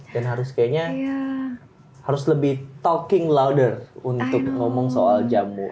dan harus kayaknya harus lebih talking louder untuk ngomong soal jamu